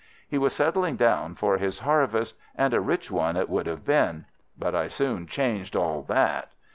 He was settling down for his harvest, and a rich one it would have been. But I soon changed all that.